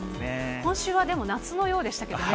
今週はでも夏のようでしたけどね。